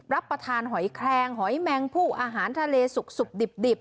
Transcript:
รับประทานหอยแคลงหอยแมงผู้อาหารทะเลสุกดิบ